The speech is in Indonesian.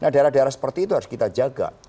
daerah daerah seperti itu harus kita jaga